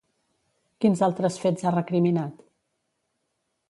Quins altres fets ha recriminat?